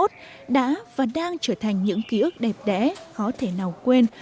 c hai mươi một đã và đang trở thành những ký ức đẹp đẽ khó thể nào quên